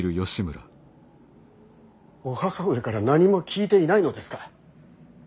お母上から何も聞いていないのですか。